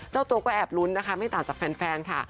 เจ้าตัวก็แอบลุ้นนะคะไม่ต่างจากแฟนค่ะ